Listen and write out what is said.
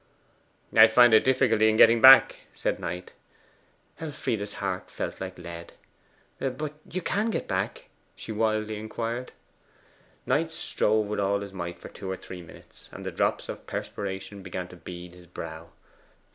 'I find a difficulty in getting back,' said Knight. Elfride's heart fell like lead. 'But you can get back?' she wildly inquired. Knight strove with all his might for two or three minutes, and the drops of perspiration began to bead his brow.